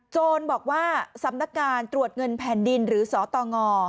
โจรบอกว่าสำนักการตรวจเงินแผ่นดินหรือสตง